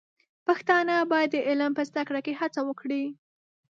پښتانه بايد د علم په زده کړه کې هڅه وکړي.